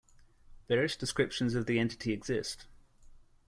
Various descriptions of the entity exist.